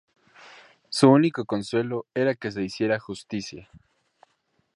Su único consuelo era que se hiciera justicia.